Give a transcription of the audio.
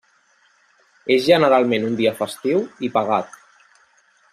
És generalment un dia festiu i pagat.